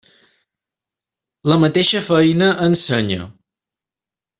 La mateixa feina ensenya.